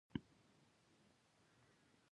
غوماشه یوه کوچنۍ الوتونکې حشره ده.